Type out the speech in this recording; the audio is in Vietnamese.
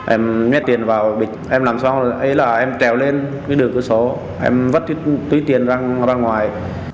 em nhét tiền vào bịch em làm xong rồi ấy là em trèo lên cái đường cửa sổ em vắt túi tiền ra ngoài